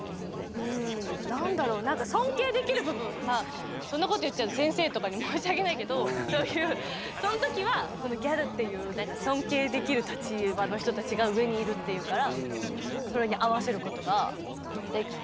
何だろう何か尊敬できる部分まあそんなこと言っちゃうと先生とかに申し訳ないけどそういうそん時はギャルっていう何か尊敬できる立場の人たちが上にいるっていうからそれに合わせることができた。